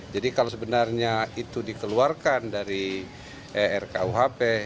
jadi kalau sebenarnya itu dikeluarkan dari ruu kuhp